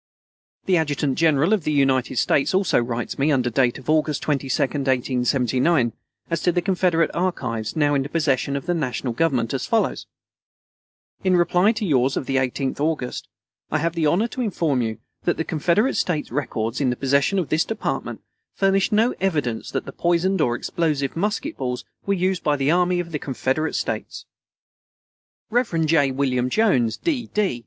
The Adjutant General of the United States also writes me, under date of August 22d, 1879, as to the Confederate archives now in the possession of the National Government, as follows: "In reply to yours of the 18th August, I have the honor to inform you that the Confederate States records in the possession of this Department furnish no evidence that poisoned or explosive musket balls were used by the army of the Confederate States." Rev. J. William Jones, D. D.